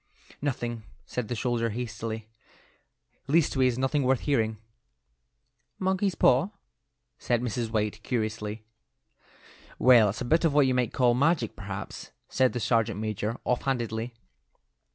"Nothing," said the soldier, hastily. "Leastways nothing worth hearing." "Monkey's paw?" said Mrs. White, curiously. "Well, it's just a bit of what you might call magic, perhaps," said the sergeant major, offhandedly.